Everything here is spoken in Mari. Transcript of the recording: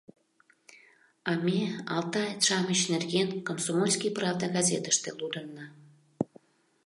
А ме алтаец-шамыч нерген «Комсомольский правда» газетыште лудынна.